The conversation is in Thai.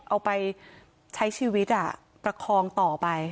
เอาไปใช้ชีวิตประคองต่อไป